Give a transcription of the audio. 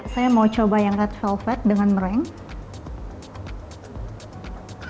saya mau coba yang red velvet dengan merank